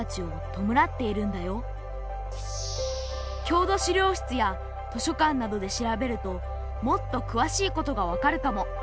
郷土資料室や図書館などで調べるともっとくわしいことが分かるかも。